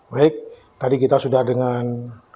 baik tadi kita sudah dengan